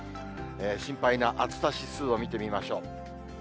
心配な暑さ指数を見てみましょう。